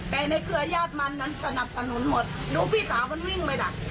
แต่ในเครือญาติมันนั้นสนับสนุนหมดดูพี่สาวมันวิ่งไหมล่ะ